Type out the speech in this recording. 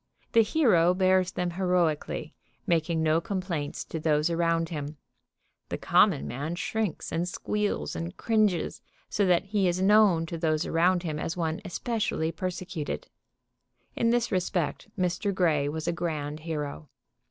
The hero bears them heroically, making no complaints to those around him. The common man shrinks, and squeals, and cringes, so that he is known to those around him as one especially persecuted. In this respect Mr. Grey was a grand hero.